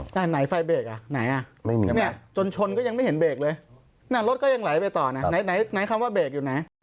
แต่ไหนไฟเบรกจนชนก็ยังไม่เห็นเบรกเลย